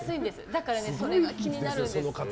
だからそれが気になるんです。